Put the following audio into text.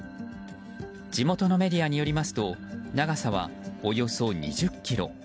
地元のメディアによりますと長さはおよそ２０ｋｍ。